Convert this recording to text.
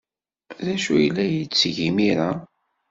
D acu ay la yetteg imir-a?